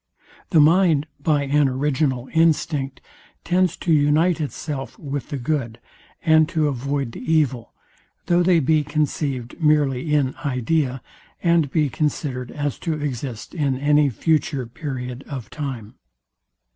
The mind by an original instinct tends to unite itself with the good, and to avoid the evil, though they be conceived merely in idea, and be considered as to exist in any future period of time.